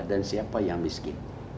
dan siapa yang miskin